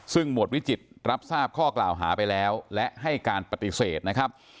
ซึ่งหมวดวิจิตรรับทราบข้อกล่าวหาไปแล้วและให้การปฏิเสธนะครับ